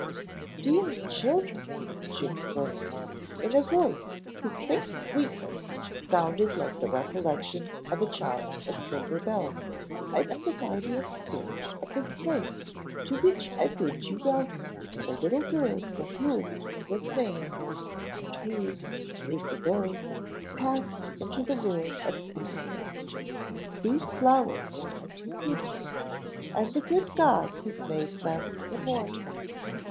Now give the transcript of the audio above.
"Dear children," she exclaimed, in a voice whose faint sweetness sounded like the recollection of a chime of silver bells, "I am the guardian spirit of this place, to which I bid you welcome, the little girl for whom it was named, and who, years ago, passed into the world of spirits. These flowers I took with me, and the good God has made them immortal.